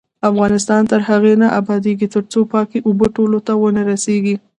افغانستان تر هغو نه ابادیږي، ترڅو پاکې اوبه ټولو ته ونه رسیږي.